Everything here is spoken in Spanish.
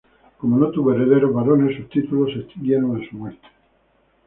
Como no tuvo herederos varones sus títulos se extinguieron a su muerte.